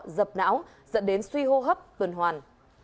dập não dẫn đến suy hô hấp tuần hoàn